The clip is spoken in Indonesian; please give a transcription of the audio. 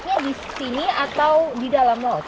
kita ikatnya di sini atau di dalam laut pak